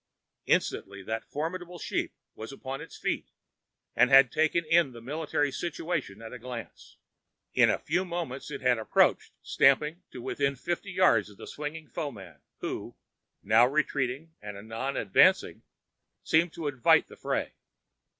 Instantly that formidable sheep was upon its feet and had taken in the military situation at a glance. In a few moments it had approached, stamping, to within fifty yards of the swinging foeman, who, now retreating and anon advancing, seemed to invite the fray.